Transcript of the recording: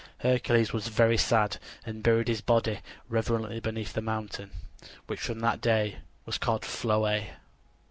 Hercules was very sad, and buried his body reverently beneath the mountain, which from that day was called Pholoë.